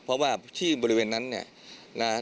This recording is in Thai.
เพราะว่าที่บริเวณนั้น